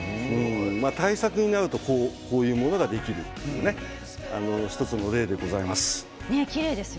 大作になるとこういうものができる１つの例でございます。